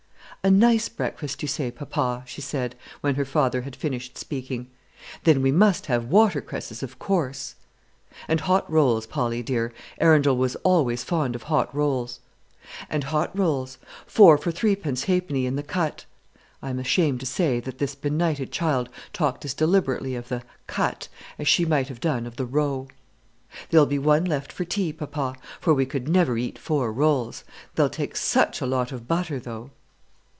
"A 'nice' breakfast you say, papa," she said, when her father had finished speaking; "then we must have watercresses, of course." "And hot rolls, Polly dear. Arundel was always fond of hot rolls." "And hot rolls, four for threepence halfpenny in the Cut." (I am ashamed to say that this benighted child talked as deliberately of the "Cut" as she might have done of the "Row.") "There'll be one left for tea, papa; for we could never eat four rolls. They'll take such a lot of butter, though."